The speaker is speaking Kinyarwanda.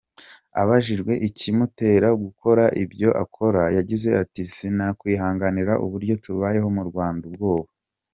Abajijwe ikimutera gukora ibyo akora, yagize ati: "Sinakwihanganira uburyo tubayeho mu Rwanda - ubwoba.